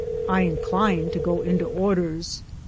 I inclined to go into Orders.